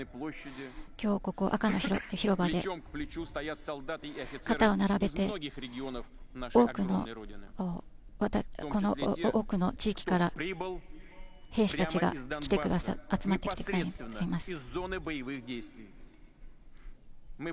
今日ここ、赤の広場で肩を並べて多くの地域から兵士たちが集まってきてくれています。